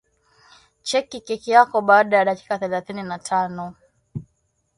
cheki keki yako baada ya dakika thelathini na tano